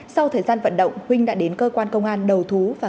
sau thời gian vận động huynh đã đến cơ quan công an đầu thú và